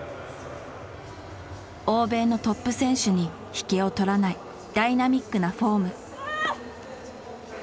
欧米のトップ選手に引けを取らないダイナミックなフォーム。